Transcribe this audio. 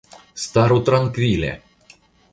Staru trankvile!